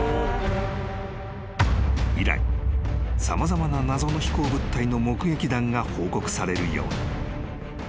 ［以来様々な謎の飛行物体の目撃談が報告されるように］